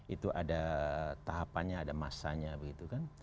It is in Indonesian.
itu ada tahapannya ada masanya begitu kan